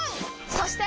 そして！